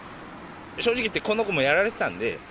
正直言ってこの子もやられてたんで。